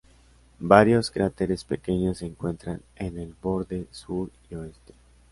Varios cráteres pequeños se encuentran en el borde sur y oeste.